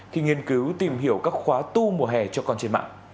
khi nghiên cứu tìm hiểu các khóa tu mùa hè cho con trên mạng